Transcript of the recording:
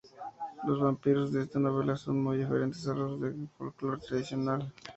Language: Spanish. Los vampiros de esta novela son muy diferentes a los del folklore tradicional.